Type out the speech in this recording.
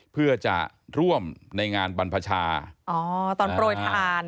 เพื่อจะร่วมในงานบรรพชาอ๋อตอนโปรยทาน